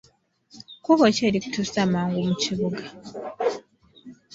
Kkubo ki erikutuusa amangu mu kibuga?